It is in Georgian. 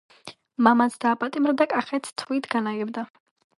მამაც დააპატიმრა და კახეთს თვით განაგებდა.